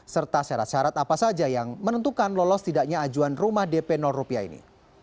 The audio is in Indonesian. serta syarat syarat apa saja yang menentukan lolos tidaknya ajuan rumah dp rupiah ini